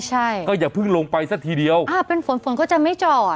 ใช่ก็อย่าเพิ่งลงไปซะทีเดียวอ่าเป็นฝนฝนก็จะไม่จอด